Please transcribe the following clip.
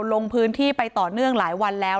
ลงพื้นที่ไปต่อเนื่องหลายวันแล้ว